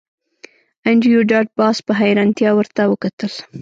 انډریو ډاټ باس په حیرانتیا ورته وکتل